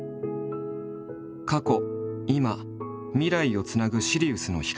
「過去」「今」「未来」をつなぐシリウスの光。